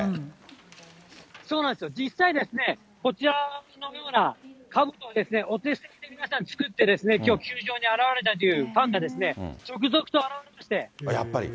そうなんですよ、実際、こちらのようなかぶとをお手製で皆さん作ってですね、きょう、球場に現れたというファンが続々と現れまして。